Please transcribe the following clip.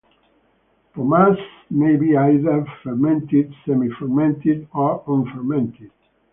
Pomace may be either fermented, semi-fermented, or unfermented.